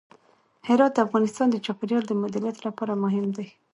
هرات د افغانستان د چاپیریال د مدیریت لپاره مهم دی.